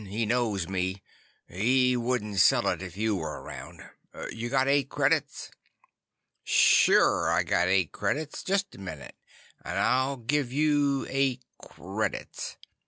He knows me. He wouldn't sell it if you were around. You got eight credits?" "Sure I got eight credits. Just a minute, and I'll give you eight credits."